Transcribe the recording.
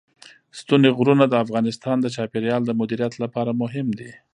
ستوني غرونه د افغانستان د چاپیریال د مدیریت لپاره مهم دي.